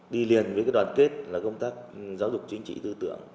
đi liền với đoàn kết là công tác giáo dục chính trị tư tưởng